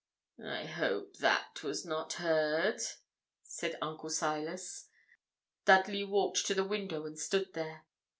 'I hope that was not heard,' said Uncle Silas. Dudley walked to the window and stood there.